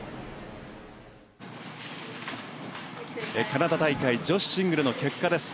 カナダ大会女子シングルの結果です。